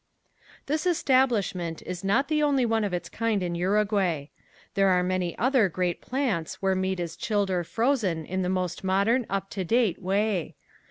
This establishment is not the only one of its kind in Uruguay. There are many other great plants where meat is chilled or frozen in the most modern, up to date way.